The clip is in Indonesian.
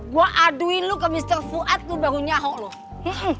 gue aduin lu ke mr fuad lu baru nyahok loh